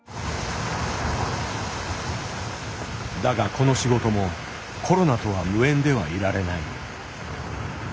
だがこの仕事もコロナとは無縁ではいられない。